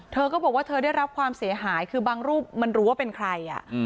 เธอก็บอกว่าเธอได้รับความเสียหายคือบางรูปมันรู้ว่าเป็นใคร